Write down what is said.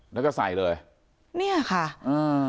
แล้วก็ใส่เลยเนี่ยค่ะอ่า